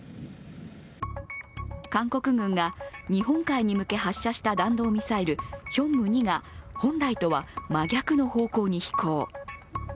韓国軍が日本海に向け発射した弾道ミサイル、ヒョンム２が本来とは真逆の方向に飛行。